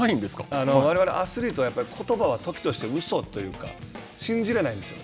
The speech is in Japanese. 我々アスリートは、ことばは、時としてうそというか信じれないんですよ。